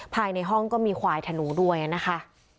ภายในห้องก็มีควายธนูด้วยนะคะ